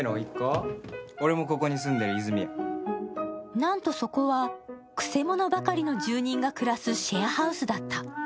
なんと、そこはくせ者ばかりの住民が暮らすシェアハウスだった。